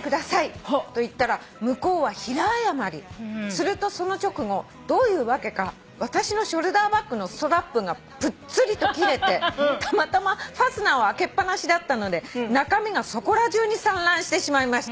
「するとその直後どういうわけか私のショルダーバッグのストラップがぷっつりと切れてたまたまファスナーを開けっぱなしだったので中身がそこら中に散乱してしまいました」